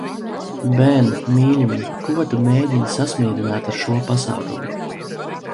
Ben, mīļumiņ, ko tu mēģini sasmīdināt ar šo pasākumu?